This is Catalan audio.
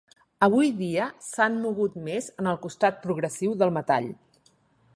Avui dia, s'han mogut més en el costat progressiu del metall.